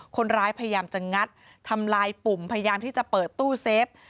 พยายามจะงัดทำลายปุ่มพยายามที่จะเปิดตู้เซฟ